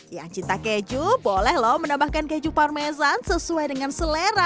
ya cinta keju boleh loh menambahkan keju parmesan sesuai dengan selera